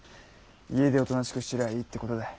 家でおとなしくしてりゃあいいってことだい。